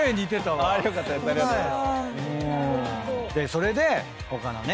それで他のね